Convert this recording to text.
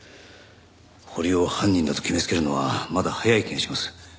堀尾を犯人だと決めつけるのはまだ早い気がします。